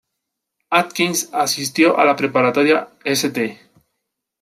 Atkins asistió a la preparatoria St.